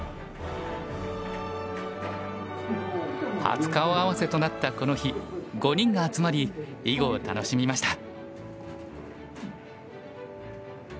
初顔合わせとなったこの日５人が集まり囲碁を楽しみました。